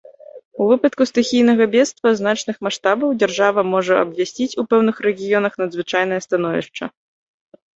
У выпадку стыхійнага бедства значных маштабаў дзяржава можа абвясціць у пэўных рэгіёнах надзвычайнае становішча.